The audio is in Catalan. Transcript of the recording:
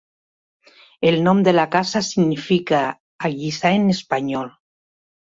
El nom de la casa significa allisar en espanyol.